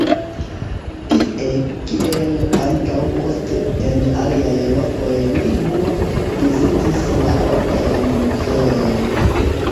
Tie, kiel ankaŭ poste en aliaj lokoj li multe vizitis la lokajn muzeojn.